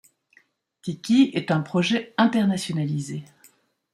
Tiki est un projet internationalisé.